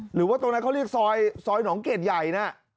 หรือว่าตรงนั้นเขาเรียกซอยหนองเกดใหญ่นะ